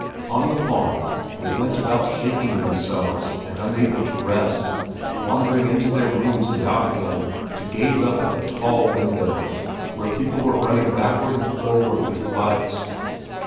On the farm they went about shaking themselves and unable to rest, wandering into their rooms and out again to gaze up at the tall windows, where people were running backward and forward with lights.